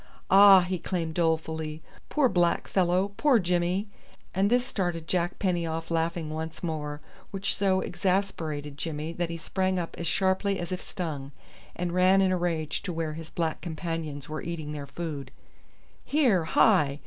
"Ah!" he exclaimed dolefully, "poor black fellow poor Jimmy!" and this started Jack Penny off laughing once more, which so exasperated Jimmy that he sprang up as sharply as if stung, and ran in a rage to where his black companions were eating their food. "Here, hi!